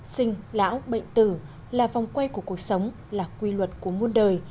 sinh lão bệnh tử là vòng quay của cuộc sống là quy luật của muôn đời